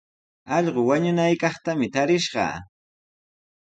Allqu wañunaykaqtami tarishqaa.